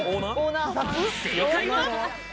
正解は。